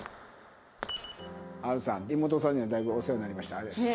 ＨＡＬさん妹さんにはだいぶお世話になりました。